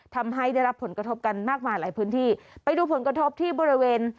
ทำให้ได้รับผลกระทบกันมากมายหลายพื้นที่ไปดูผลกระทบที่บริเวณ